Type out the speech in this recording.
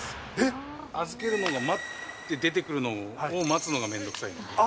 預けるもの待って出てくるのを待つのが面倒くさいんで。